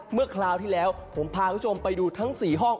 คราวที่แล้วผมพาคุณผู้ชมไปดูทั้ง๔ห้อง